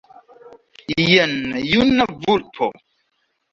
Jen juna vulpo.